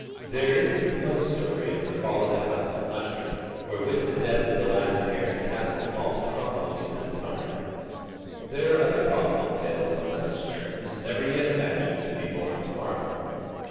There is the Poe story of The Fall of the House of Usher, where with the death of the last heir the castle falls crumbling into the tarn. There are other possible tales on such terms, never yet imagined, to be born to morrow.